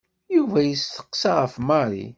Yuba yesteqsa ɣef Mary.